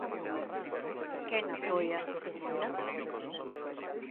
Quen apoia?